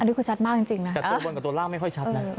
นี่คือชัดมากจริงนะแต่ตัวบนกับตัวล่างไม่ค่อยชัดนะ